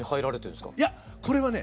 いやこれはね